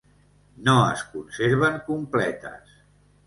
No es conserven completes.